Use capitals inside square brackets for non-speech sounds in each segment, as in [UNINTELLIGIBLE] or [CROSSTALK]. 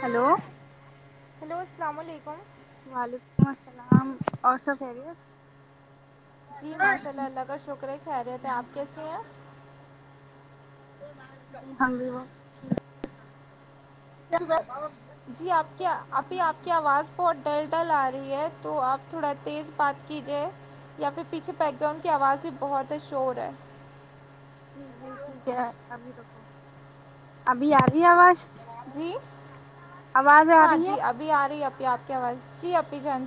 hello hello السلام علیکم وعلیکم السلام اور سب خیریت جی ماشاء اللہ اللہ کا شکر ہے خیریت ہے آپ کیسے ہیں جی ہم بھی وہ جی آپ کیا آپی آپ کی آواز بہت ڈل ڈل آ رہی ہے تو آپ تھوڑا تیز بات کیجے یا پھر پیچھے بیک گراؤنڈ کی آواز میں بھی بہت شور ہے جی جی ٹھیک ہے ابھی رکھو ابھی آ رہی ہے آواز جی آواز آ ہاں رہی ہے جی آ رہی ہے ابھی آپ کی آواز جی اپی جان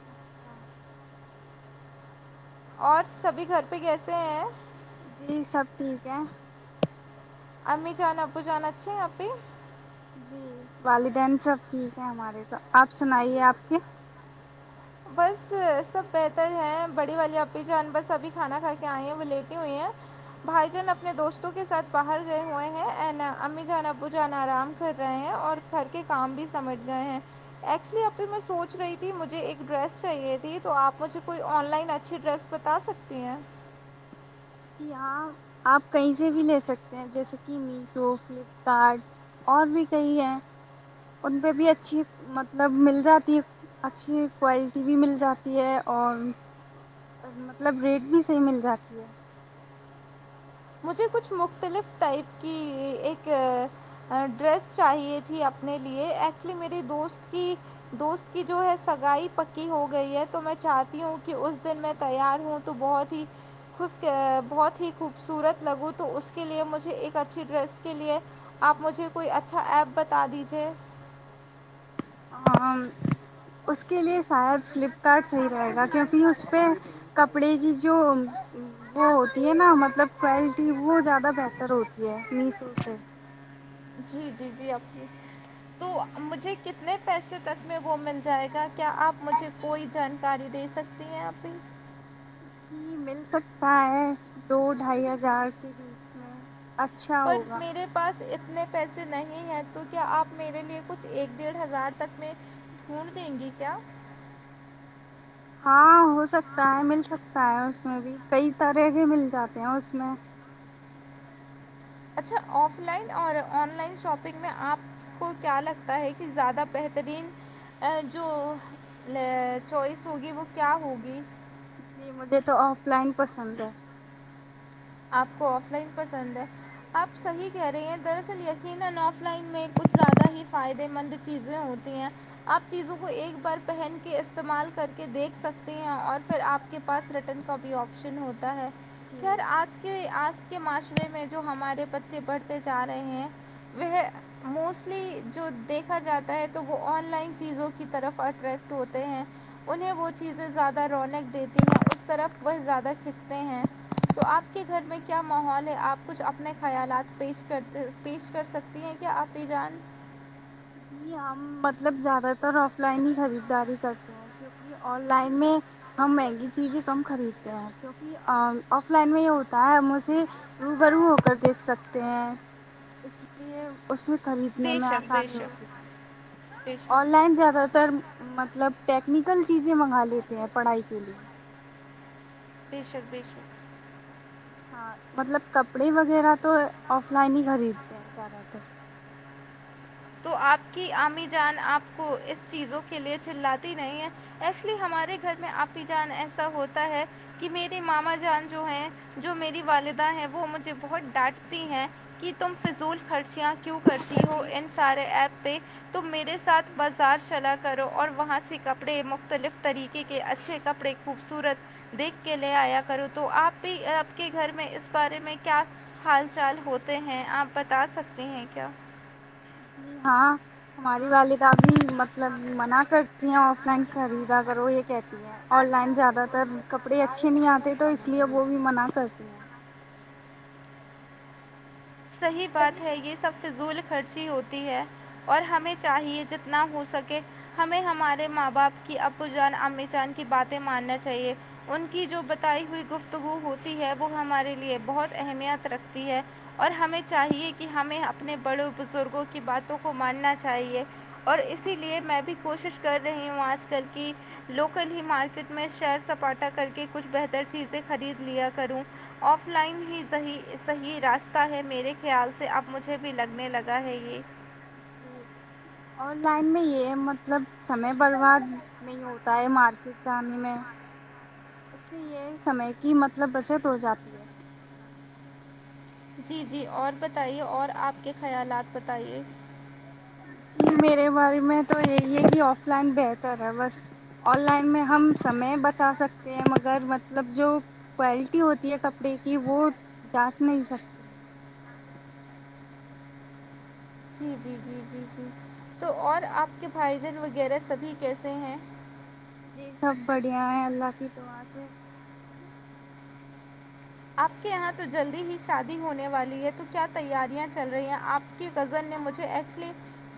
[INAUDIBLE] اور سبھی گھر پہ کیسے ہیں جی سب ٹھیک ہے امی جان ابو جان اچھے ہیں آپی جی والدین سب ٹھیک ہیں ہمارے تو آپ سنائیے آپ کے بس سب بہتر ہے بڑی والی آپی جان بس ابھی کھانا کھا کے آئے ہیں وہ لیٹے ہوئے ہیں بھائی جان اپنے دوستوں کے ساتھ باہر گئے ہوئے ہیں اینڈ امی جانا ابو جان آرام کر رہے ہیں اور گھر کے کام بھی سمیٹ گئے ہیں ایکچولی میں سوچ رہی تھی مجھے ایک ڈریس چاہیے تھی تو آپ مجھے کوئی آن لائن اچھی ڈریس بتا سکتی ہیں جی ہاں آپ کہیں سے بھی لے سکتے ہیں جیسے کہ میو سو پھر فلپکارڈ اور بھی کئی ہے ان پہ بھی اچھی مطلب مل جاتی اچھی کوالٹی بھی مل جاتی ہے اور اور مطلب ریٹ بھی صحیح مل جاتی ہے [INAUDIBLE] مجھے کچھ مختلف ٹائپ کی ایک ڈریس چاہیے تھی اپنے لیے ایکچولی میری دوست کی دوست کی جو ہے سگائی پکی ہو گئی ہے تو میں چاہتی ہوں کہ اس دن میں تیار ہوں تو بہت ہی خوش کے بہت ہی خوب سورت لگو تو اس کے لیے مجھے ایک اچھی ڈریس کے لیے آپ مجھے کوئی اچھا ایپ بتا دیجیے اس کے لیے شاید فلپ کارٹ صحیح رہے گا کیونکہ اس پہ کپڑے کی جو وہ ہوتی ہے نا مطلب کوالٹی وہ زیادہ بہتر ہوتی ہے میشو سے جی جی جی آپ کی تو مجھے کتنے پیسے تک میں وہ مل جائے گا کیا آپ مجھے کوئی جانکاری دے سک تی ہیں ابھی جی مل سکتا ہے دو ڈھائی ہزار کے بیچ میں اچھا پر ہوگا میرے پاس اتنے پیسے نہیں ہیں تو کیا آپ میرے لیے کچھ ایک ڈیڑھ ہزار تک میں خون دیں گی کیا ہاں ہو سکتا ہے مل سکتا ہے اس میں بھی کئی طرح کے مل جاتے ہیں اس میں اچھا آف لائن اور آن لائن شاپنگ میں آپ کو کیا لگتا ہے کہ زیادہ بہترین جو چوائس ہوگی وہ کیا ہوگی جی مجھے تو آف لائن پسند ہے آپ کو آف لائن پسند ہے آپ صحیح کہہ رہی ہیں دراصل یہ یقینا آف لائن میں کچھ زیادہ ہی فائدے مند چیزیں ہوتی ہیں آپ چیزوں کو ایک بار پہن کے استعمال کر کے دیکھ سکتے ہیں اور پھر آپ کو کے پاس ریٹرن کا بھی آپشن ہوتا ہے خیر جی آج کے کہ آج کے معاشرے میں جو ہمارے بچے پڑھتے جا رہے ہیں وہ موسٹلی جو دیکھا جاتا ہے تو وہ آن لائن چیزوں کی طرف اٹریکٹ ہوتے ہیں انہیں وہ چیزیں زیادہ رونق دیتی ہیں اس طرف وہ زیادہ کھنچتے ہیں تو آپ آپ کے گھر میں کیا ماحول ہے آپ کچھ اپنے خیالات پیش کرتے پیش کر سکتی ہیں کیا آپی جان جی ہم مطلب زیادہ تر آف لائن ہی خریداری کرتے ہیں کیوںکہ آن لائن میں ہم مہنگی چیزیں کم خریدتے ہیں کہ آف لائن میں یہ ہوتا ہے ہم اسے روبرو ہو کر دیکھ سکتے ہیں اس لیے اسے خریدنے میں آسانی ہوتی ہے اور وں لائن زیادہ تر مطلب ٹیکنیکل چیزیں منگا لیتے ہیں پڑھائی کے لیے بے شک بے شک ہاں مطلب کپڑے وغیرہ تو آف لائن ہی خریدتے ہیں زیادہ تر تو آپ کی عام جان آپ کو اس چیزوں کے لیے چلاتی نہیں ہے ایے ہمارے گھر میں آپی جان ایسا ہوتا ہے کہ میرے ماما جان جو ہے جو میری والدہ ہیں وہ مجھے بہت ڈانٹتی ہیں کہ تم فضول خرچیاں کیوں کرتی ہو ان سارے ایپ پہ تم میرے ساتھ بازار چلا کرو اور وہاں سے کپڑے مختلف طریقے کے اچھے کپڑے خوبصورت دیکھ کے لے آیا کرو تو آپ بھی آپ کے گھر میں اس بارے میں کیا حال چال ہوتے ہیں آپ بتا سکتے ہیں کیا جی ہاں ہماری والدہ بھی مطلب منع کر تی ہیں آف لائن خریدا کرو یہ کہتی ہیں آن لائن زیادہ تر کپڑے اچھے نہیں آتے تو اس لیے وہ بھی منع کرتی ہوں صحیح بات ہے یہ سب فضول خرچی ہوتی ہے اور ہمیں چاہیے جتنا ہو سکے ہمیں ہمارے ماں باپ کی ابو جان امی جان کی باتیں ماننا چاہیے ان کی جو بتائی ہوئی گفتگو ہوتی ہے وہ ہمارے لیے بہت اہمیت رکھتی ہے اور ہمیں چاہیے کہ ہمیں اپنے بڑوں بزرگوں کی باتوں کو ماننا چاہیے اور اسی لیے میں بھی کوشش کر رہی ہوں آج کل کی لوکل ہی مارکیٹ میں شیئر سپاٹا کر کے کچھ بہتر چیزیں خرید لیا کروں آف لائن ہی صحیح صحیح راس تا ہے میرے خیال سے اب مجھے بھی لگنے لگا ہے یہ جی آن لائن میں یہ مطلب سمے برباد نہیں ہوتا ہے مارکی کی چاندنی میں اس سے یہ سمے کی مطلب بچت ہو جاتی ہے جی جی اور بتائیے اور آپ کے خیالات بتائیے میرے بارے میں تو یہی ہے کہ آف لائن بہتر ہے بس آن لائن میں ہم سمے بچا سکتے ہیں مگر مطلب جو کوالٹی ہوتی ہے کپڑے کی وہ جانچ نہیں سکتی جی جی جی جی جی تو اور آپ کے بھائی جان وغیرہ سبھی کیسے ہیں جی سب بڑھیا ہے اللہ کی دعا سے آپ کے یہاں تو جلدی ہی شادی ہونے والی ہے تو کیا تیاریاں چل رہی ہیں آپ کہ کزن نے مجھے ایکچولی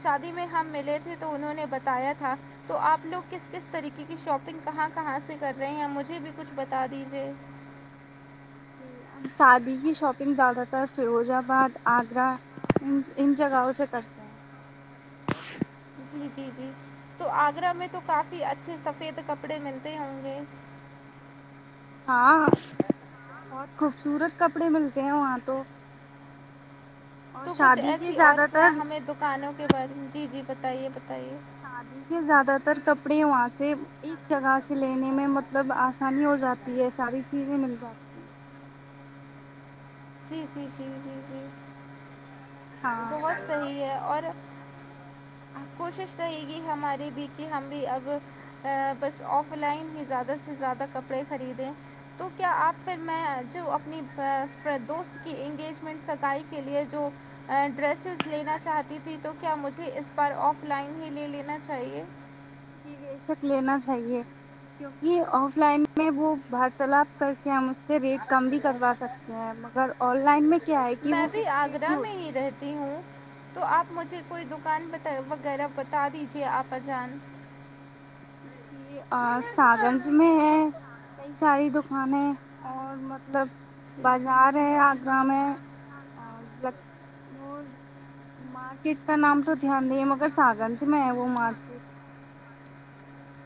شادی میں ہم ملے تھے تو انہوں نے بتایا تھا تو آپ لوگ کس کس طریقے کی شاپنگ کہاں کہاں سے کر رہے ہیں مجھے بھی کچھ بتا دیجیے شادی کی شاپنگ زیادہ تر فیروز آباد آگرہ ان ان جگہوں سے کرتے ہیں جی جی جی تو آگرہ میں تو کافی اچھے سفید کپڑے ملتے ہوں گے ہاں ہاں بہت خوبصورت کپڑے ملتے ہیں وہاں تو اور شادی کے زیادہ تر کانوں کے بارے میں جی جی بتائیے بتائیے شادی کے زیادہ تر کپڑے وہاں سے جگہ سے لینے میں مطلب آسانی ہو جاتی ہے ساری چیزیں مل جاتی ہیں جی جی جی جی جی ہاں بہت صحیح ہے اور کوشش رہے گی ہماری بھی کہ ہم بھی اب ا بس آف لائن ہی زیادہ سے زیادہ کپڑے خریدیں تو کیا آپ پھر میں جو اپنی دوست کی انگیجمنٹ سگائی کے لیے جو ڈریسز لینا چاہتی تھی تو کیا مجھے اس بار آف لائن ہی لے لینا چاہیے جی بے شک لینا چاہیے کیونکہ آف لائن میں وہ بارتالپ کر کے ہم اس سے ریٹ کم بھی کروا سکتے ہیں مگر آن لائن میں کیا ہے کہ میں وہ بھی فکس ریٹ آگرہ میں ہوتی ہی ہے رہتی ہوں تو آپ مجھے کوئی دکان وغیرہ بتا دیجیے آپاجان جی [UNINTELLIGIBLE] سا گنج میں ہے کئی ساری دکانیں اور مطلب جی بازار ہے گاؤں میں اور وہ مارکیٹ کا نام تو دھیان نہیں ہے مگر ساگنج میں ہے وہ مارکیٹ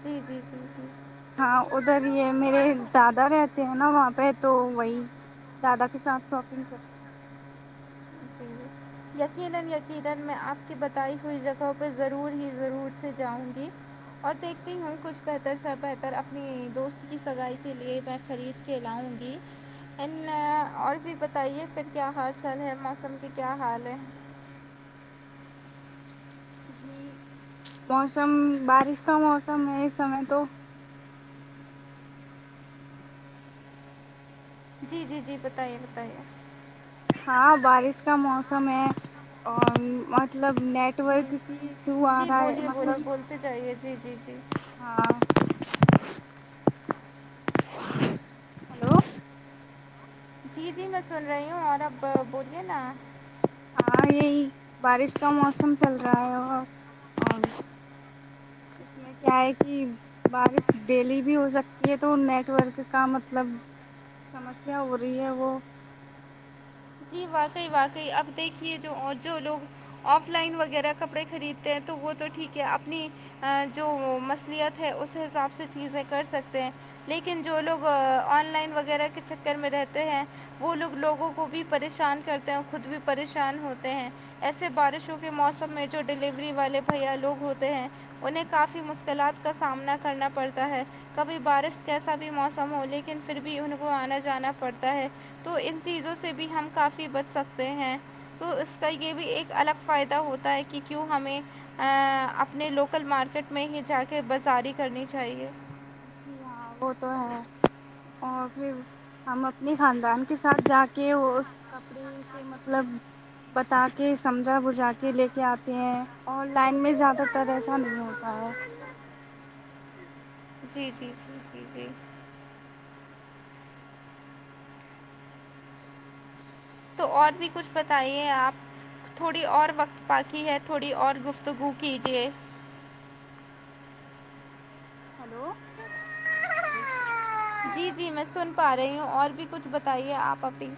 جی جی جی جی ہاں ادھر یہ میرے دادا رہتے ہیں نا وہاں پہ تو وہی دادا کے ساتھ شاپنگ کر یقینن یقینن میں آپ کی بتائی ہوئی جگہوں پہ ضرور ہی ضرور سے جاؤں گی اور دیکھتی ہوں کچھ بہتر سا بہتر اپنی دوست کی سگائی کے لیے میں خرید کھیلاؤں گی اور بھی بتائیے پھر کیا ہر سال ہے مس موسم کی کیا حال ہے جی موسم بارش کا موسم ہے اس سمے تو جی جی جی بتائیے بتائیے ہاں بارش کا موسم ہے اور مطلب نیٹ نیٹ جی ورک کی سو آ رہا ہے مطلب چاہیے جی جی جی ہاں ہلو جی جی میں سن رہی ہوں اور اب بولیے نا ہاں یہی بارش کا موسم چل رہا ہے اور اس میں کیا ہے کی بارش ڈیلی بھی ہو سکتی ہے تو نیٹ ورک کا مطلب سمسیا ہو رہی ہے وہ جی واقعی واقعی اب دیکھیے جو اور جو لوگ آف لائن وغیرہ کپڑے خریدتے ہیں تو وہ تو ٹھیک ہے اپنی جو مصلیت ہے اس حساب سے چیزیں کر سکتے ہیں لیکن جو لوگ آن لائن وغیرہ کے چکر میں رہتے ہیں وہ لوگ لوگوں کو کو بھی پریشان کرتے ہیں خود بھی پریشان ہوتے ہیں ایسے بارشوں کے موسم میں جو ڈیلیوری والے بھیا لوگ ہوتے ہیں انہیں کافی مشکلات کا سامنا کرنا پڑتا ہے کبھی بارش جیسا بھی موسم ہو لیکن پھر بھی ان کو آنا جانا پڑتا ہے تو ان چیزوں سے بھی ہم کافی بچ سکتے ہیں تو اس کا یہ بھی ایک الگ فائدہ ہوتا ہے کہ کیوں ہمیں ا اپنے لوکل مارکیٹ میں ہی جا کے بازاری کرنی چاہیے جی ہاں وہ تو ہے اور پھر ہم اپنے خاندان کے ساتھ جا کے وہ کپڑے اس مطلب بتا کے سمجھا بجھا کے لے کے آتے ہیں آن لائن میں زیادہ تر ایسا نہیں ہوتا ہے جی جی جی جی جی تو اور بھی کچھ بتائیے آپ تھوڑی اور وقت باقی ہے تھوڑی اور گفتگو کیجیے ہیلو جی جی میں سن پا رہی ہوں اور بھی کچھ بتائیے آپ اپنی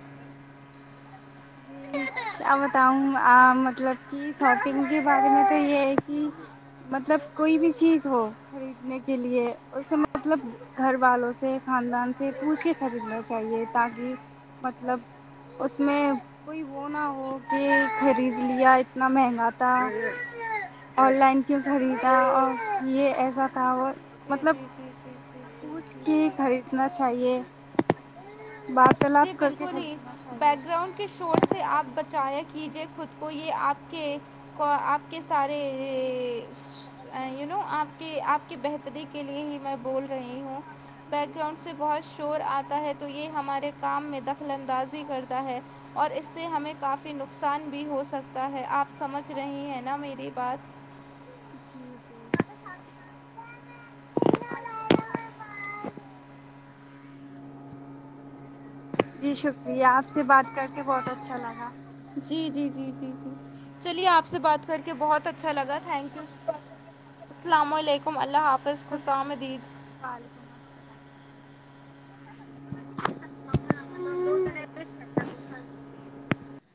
جی کیا بتاؤں آ مطلب کہ شاپنگ کے بارے میں تو یہ ہے کہ مطلب کوئی بھی چیز ہو خریدنے کے لیے اسے مطلب گھر والوں سے خاندان سے پوچھ کے خریدنا چاہیے تاکہ مطلب اس میں کوئی وہ نہ ہو اور پھر خرید لیا اتنا مہنگا تھا آن لائن کیوں خریدا اور یہ ایسا تھا وہ جی مطلب جی جی جی جی جی پوچھ جی کے جی خریدنا چاہیے جی باتالات بالکل ہی بیک گراؤنڈ کے شور سے آپ بچایا کیجیے خود کو یہ آپ کے کو آپ کے سارے یہ یہ یو نو آپ کے آپ کی بہتری کے لیے ہی میں بول رہی ہوں بیک گراؤنڈ سے بہت شور آتا ہے تو یہ ہمارے کام میں د اندازی کرتا ہے اور اس سے ہمیں کافی نقصان بھی ہو سکتا ہے آپ سمجھ رہی ہیں نا میری بات [INAUDIBLE] [INAUDIBLE] جی شکریہ آپ سے بات کر کے بہت اچھا لگا جی جی جی جی جی چلیے آپ سے بات کر کے بہت اچھا لگا تھینک یو السلام علیکم اللہ حافظ خوس شکریہ آمدید وعلیکم السلام [INAUDIBLE]